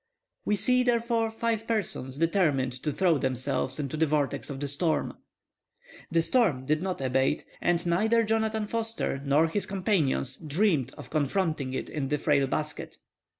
We see, therefore, five persons determined to throw themselves into the vortex of the storm. The storm did not abate. And neither Jonathan Forster nor his companion dreamed of confronting it in that frail basket.